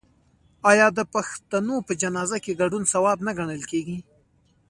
آیا د پښتنو په جنازه کې ګډون ثواب نه ګڼل کیږي؟